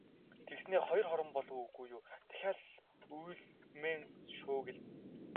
Тэгснээ хоёр хором болов уу, үгүй юу дахиад л үймэн шуугилдана.